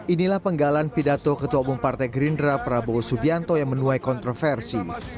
inilah penggalan pidato ketua umum partai gerindra prabowo subianto yang menuai kontroversi